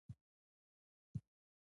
او د تحقیق اصولو مطابق څېړنه نشته دی.